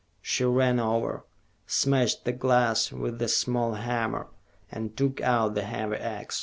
She ran over, smashed the glass with the small hammer, and took out the heavy ax.